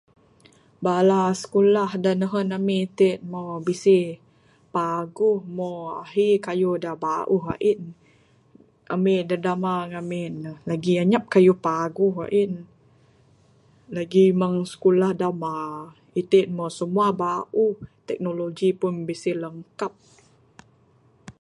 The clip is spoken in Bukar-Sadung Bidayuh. Bala sikulah da nehen ami ti mbuh bisi paguh mbuh ahi kayuh da bauh ain. Ami da dama ngamin ne lagi anyap kayuh paguh ain. Lagi meng sikulah dama. Itin mbuh simua bauh. Teknologi pun bisi lengkap